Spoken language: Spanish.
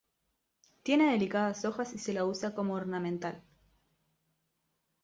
Tiene delicadas hojas y se la usa como ornamental.